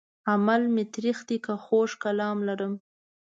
عمل مې تريخ دی که خوږ کلام لرم